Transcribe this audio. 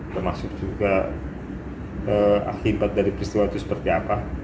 termasuk juga akibat dari peristiwa itu seperti apa